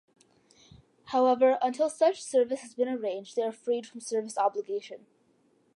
However, until such service has been arranged, they are freed from service obligation.